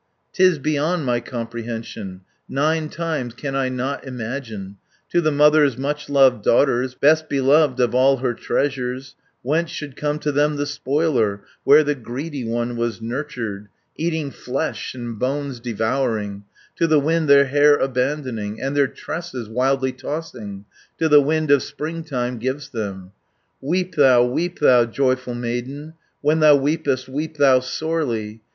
"'Tis beyond my comprehension, Nine times can I not imagine, To the mother's much loved daughters, Best beloved of all her treasures, Whence should come to them the spoiler, Where the greedy one was nurtured, 340 Eating flesh, and bones devouring, To the wind their hair abandoning, And their tresses wildly tossing, To the wind of springtime gives them. "Weep thou, weep thou, youthful maiden, When thou weepest, weep thou sorely.